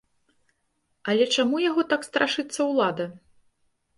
Але чаму яго так страшыцца ўлада?